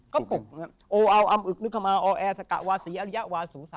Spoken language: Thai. ก็ปลุกโออาวอัมอึกนึกคำอาวแอสกะวาสีอัลยะวาสูสะ